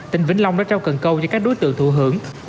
tỉnh vĩnh long đã trao cần câu cho các đối tượng thụ hưởng